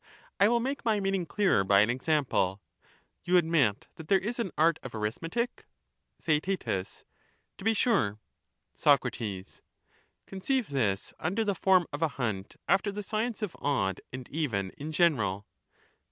I will make my meaning clearer by an example :— You admit that there is an art of arithmetic ? Theaet To be sure. Soc^ Conceive this under the form of a hunt after the science of odd and even in general.